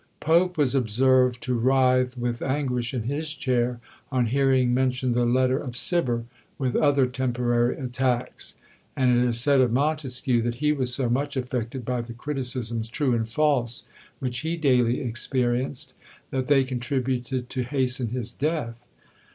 Pope was observed to writhe with anguish in his chair on hearing mentioned the letter of Cibber, with other temporary attacks; and it is said of Montesquieu, that he was so much affected by the criticisms, true and false, which he daily experienced, that they contributed to hasten his death.